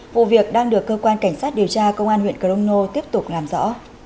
vụ việc đang được cơ quan cảnh sát điều tra công an huyện crono tiếp tục làm rõ